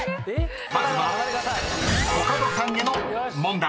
［まずはコカドさんへの問題］